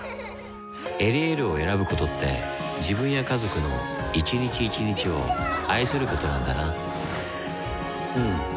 「エリエール」を選ぶことって自分や家族の一日一日を愛することなんだなうん。